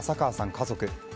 家族。